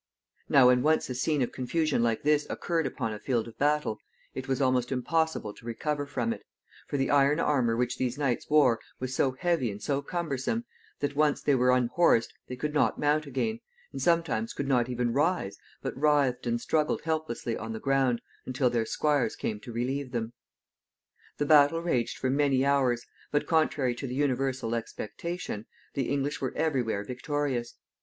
Now, when once a scene of confusion like this occurred upon a field of battle, it was almost impossible to recover from it, for the iron armor which these knights wore was so heavy and so cumbersome, that when once they were unhorsed they could not mount again, and sometimes could not even rise, but writhed and struggled helplessly on the ground until their squires came to relieve them. The battle raged for many hours, but, contrary to the universal expectation, the English were every where victorious.